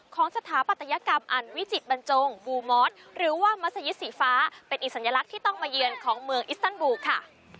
สถาปัตยกรรมอันวิจิตบรรจงบูมอสหรือว่ามัศยิตสีฟ้าเป็นอีกสัญลักษณ์ที่ต้องมาเยือนของเมืองอิสตันบูค่ะ